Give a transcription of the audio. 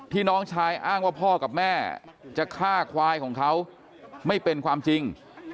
น้องชายอ้างว่าพ่อกับแม่จะฆ่าควายของเขาไม่เป็นความจริง